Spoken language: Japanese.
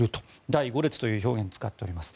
第五列という表現を使っています